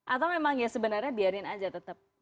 atau memang ya sebenarnya biarin aja tetap